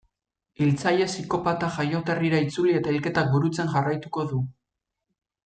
Hiltzaile psikopata jaioterrira itzuli eta hilketak burutzen jarraituko du.